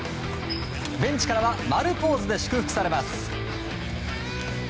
ベンチからは丸ポーズで祝福されます。